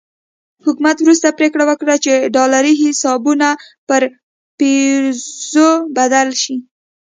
حکومت وروسته پرېکړه وکړه چې ډالري حسابونه پر پیزو بدل شي.